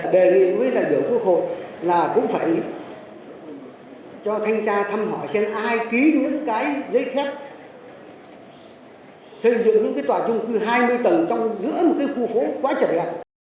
đề nghị với đại biểu quốc hội là cũng phải cho thanh tra thăm họ xem ai ký những cái giấy thép xây dựng những tòa chung cư hai mươi tầng trong giữa một khu phố quá trầm hẹp